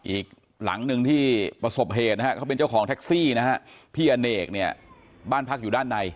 อีกหลังหนึ่งที่ประสบเหตุนะฮะเขาเป็นเจ้าของแท็กซี่นะฮะพี่อเนกเนี่ยบ้านพักอยู่ด้านใน